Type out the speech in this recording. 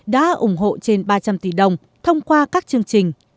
đã ủng hộ trên ba trăm linh tỷ đồng thông qua các chương trình